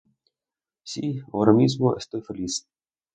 Sí, ahora mismo estoy feliz.